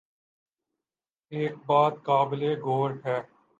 ایک بات قابل غور ہے۔